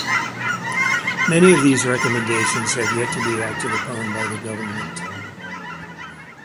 Many of these recommendations have yet to be acted upon by the government.